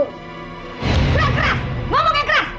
keras ngomong yang keras